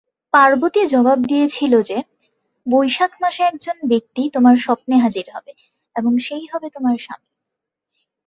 পার্বতী জবাব দিয়েছিল যে "বৈশাখ মাসে একজন ব্যক্তি তোমার স্বপ্নে হাজির হবে এবং সেই হবে তোমার স্বামী।"